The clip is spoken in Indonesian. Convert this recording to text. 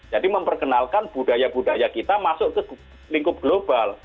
jadi memperkenalkan budaya budaya kita masuk ke lingkup global